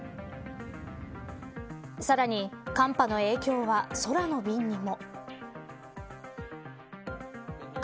さらに寒波の影響は空の便にも。